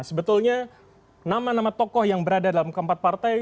sebetulnya nama nama tokoh yang berada dalam koalisi ini adalah